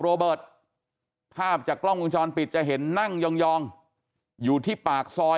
โรเบิร์ตภาพจากกล้องวงจรปิดจะเห็นนั่งยองอยู่ที่ปากซอย